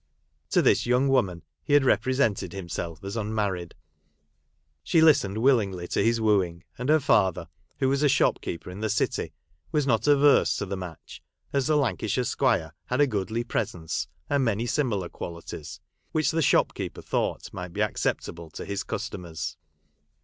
To this young woman he had represented himself as unmarried ; she listened willingly to his wooing, and her father, who was a shopkeeper in the City, was not averse to the match, as the Lancashire squire had a goodly presence, and many similar qualities, which the shopkeeper thought might be acceptable to his customers.